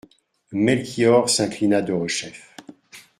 Melchior s'inclina derechef.